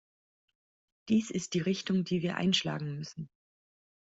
Dies ist die Richtung, die wir einschlagen müssen.